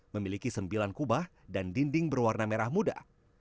memiliki sembilan kubah dan dinding berwarna merah muda